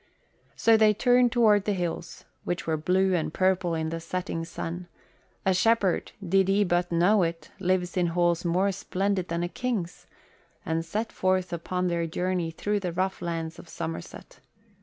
So they turned toward the hills, which were blue and purple in the setting sun, a shepherd, did he but know it, lives in halls more splendid than a king's, and set forth upon their journey through the rough lands of Somerset.